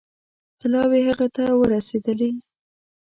طلاوې هغه ته ورسېدلې.